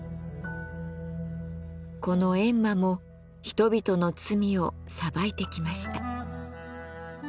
この閻魔も人々の罪を裁いてきました。